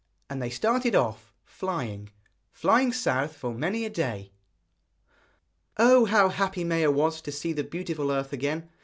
And they started off, flying, flying south for many a day. Oh! how happy Maia was to see the beautiful earth again!